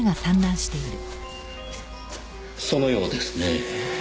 そのようですねぇ。